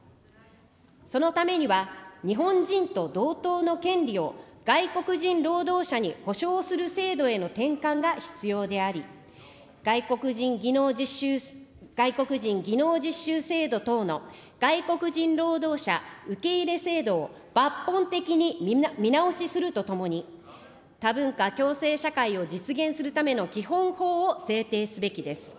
そのためには、日本人と同等の権利を外国人労働者に保障する制度への転換が必要であり、外国人技能実習制度等の外国人労働者受け入れ制度を、抜本的に見直しするとともに、多文化共生社会を実現するための基本法を制定すべきです。